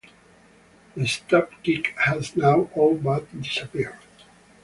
The stab kick has now all but disappeared.